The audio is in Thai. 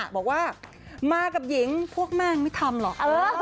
บอกว่ามากับหญิงพวกแม่งไม่ทำหรอก